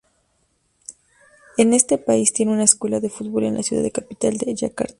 En este país tiene una escuela de fútbol en la ciudad capital de Yakarta.